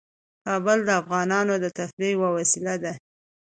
کابل د افغانانو د تفریح یوه وسیله ده.